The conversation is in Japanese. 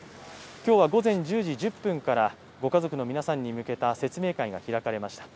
今日は午前１０時１０分からご家族の皆さんに向けた説明会が開かれました。